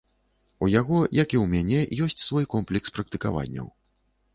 У яго, як і ў мяне, ёсць свой комплекс практыкаванняў.